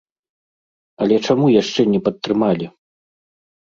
Але чаму яшчэ не падтрымалі?